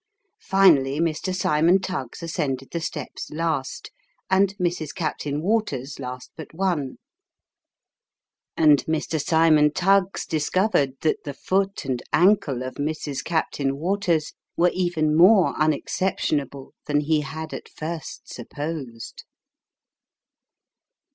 Finally, Mr. Cymon Tuggs ascended the steps last, and Mrs. Captain Waters last but one ; and Mr. Cymon Tuggs discovered that the foot and ankle of Mrs. Captain Waters, were even more unexceptionable than he had at first supposed.